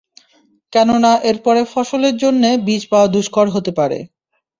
কেননা এরপরে ফসলের জন্যে বীজ পাওয়া দুষ্কর হতে পারে।